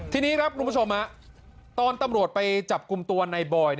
ทีนี้ครับคุณผู้ชมตอนตำรวจไปจับกลุ่มตัวในบอย